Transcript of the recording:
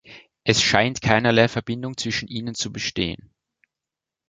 Es scheint keinerlei Verbindung zwischen ihnen zu bestehen.